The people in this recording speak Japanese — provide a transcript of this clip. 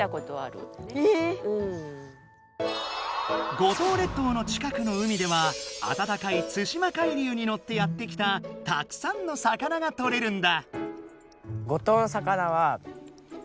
五島列島の近くの海ではあたたかい対馬海流にのってやって来たたくさんの魚がとれるんだ。